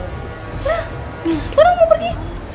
sudah sekarang mau pergi